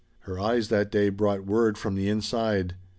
Her eyes that day brought word from the inside.